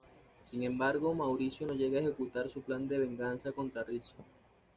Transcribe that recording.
Sin embargo, Mauricio no llega a ejecutar su plan de venganza contra Ricci.